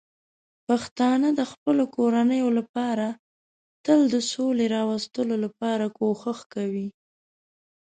پښتانه د خپلو کورنیو لپاره تل د سولې راوستلو لپاره کوښښ کوي.